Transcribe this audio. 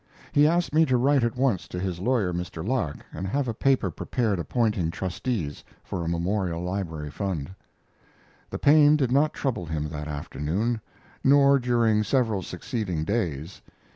He asked me to write at once to his lawyer, Mr. Lark, and have a paper prepared appointing trustees for a memorial library fund. The pain did not trouble him that afternoon, nor during several succeeding days.